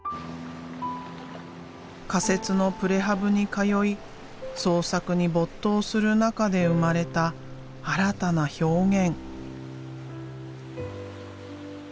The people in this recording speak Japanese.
仮設のプレハブに通い創作に没頭する中で生まれた新たな表現。